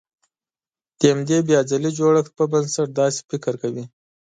د همدې بيا ځلې جوړښت پر بنسټ داسې فکر کوي.